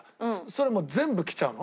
それはもう全部着ちゃうの？